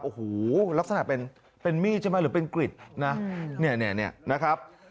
โอ้โหลักษณะเป็นมีดใช่ไหมหรือเป็นกริดนะเนี่ยนะครับ